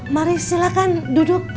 mari silakan duduk